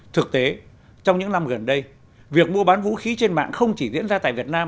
thực tế trong những năm gần đây việc mua bán vũ khí trên mạng không chỉ diễn ra tại việt nam